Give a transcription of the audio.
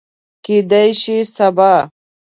کیدای شي سبا